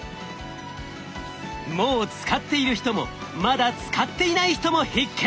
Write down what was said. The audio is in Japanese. もう使っている人もまだ使っていない人も必見！